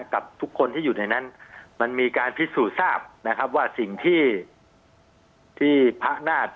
กับทุกคนที่อยู่ในนั้นมันมีการพิสูจน์ทราบนะครับว่าสิ่งที่ที่พระนาฏ